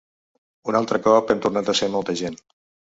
Un altre cop hem tornat a ser molta gent.